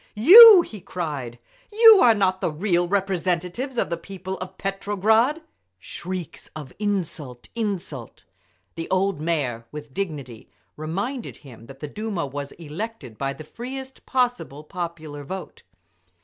"You!" he cried. "You are not the real representative of the people of Petrograd!" Shrieks of "Insult! Insult!" The old Mayor, with dignity, reminded him that the Duma was elected by the freest possible popular vote.